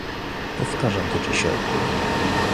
Powtarzam to dzisiaj